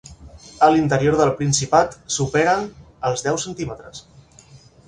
A l’interior del Principat superen els deu centímetres.